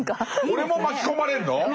俺も巻き込まれるの？